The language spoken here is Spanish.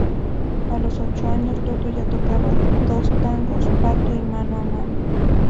A los ocho años, Toto ya tocaba dos tangos: "Pato" y "Mano a mano".